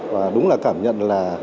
và đúng là cảm nhận là